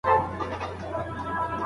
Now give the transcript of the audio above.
که ته زده کړه وکړې، پوهه زياتېږي.